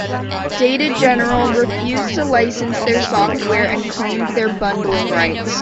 Data General refused to license their software and claimed their "bundling rights".